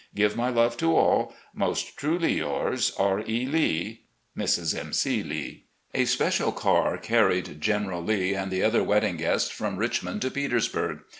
Give my love to all. Most truly yours, "R. E. Lee. "Mrs. M. C. Lee." A special car carried General Lee and the other wedding guests from Richmond to Petersburg.